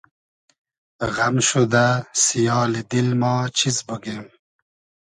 غئم شودۂ سیالی دیل ما چیز بوگیم